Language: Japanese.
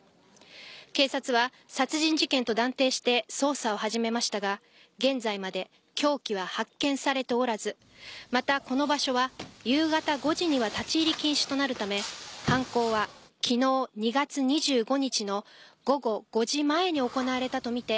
警察は殺人事件と断定して捜査を始めましたが現在まで凶器は発見されておらずまたこの場所は夕方５時には立ち入り禁止となるため犯行は昨日２月２５日の午後５時前に行われたとみて。